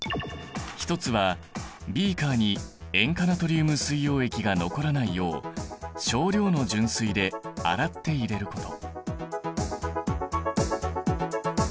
一つはビーカーに塩化ナトリウム水溶液が残らないよう少量の純水で洗って入れること。